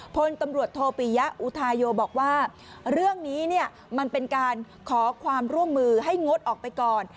พลตำรวจโทปิยะอุทาโยบอกว่าเรื่องนี้เนี่ยมันเป็นการขอความร่วมมือให้งดออกไปก่อน